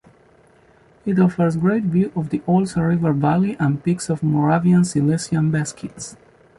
It offers great view of the Olza River valley and peaks of Moravian-Silesian Beskids.